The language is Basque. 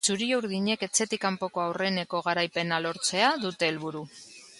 Txuri-urdinek etxetik kanpoko aurreneko garaipena lortzea dute helburu.